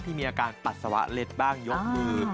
มีอาการปัสสาวะเล็ดบ้างยกมือ